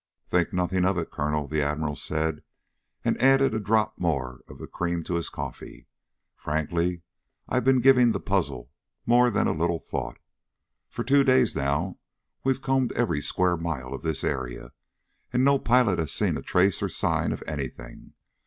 "Think nothing of it, Colonel," the Admiral said, and added a drop more of cream to his coffee. "Frankly, I've been giving the puzzle more than a little thought. For two days, now, we've combed every square mile of this area, and no pilot has seen a trace or sign of anything.